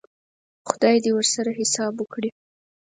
خدای دې ورسره حساب وکړي.